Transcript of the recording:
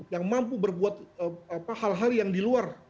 yang mampu berbuat hal hal yang di luar